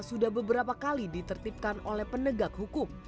sudah beberapa kali ditertipkan oleh penegak hukum